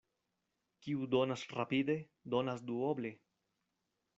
Kiu donas rapide, donas duoble.